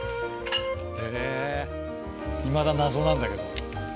へぇいまだ謎なんだけど。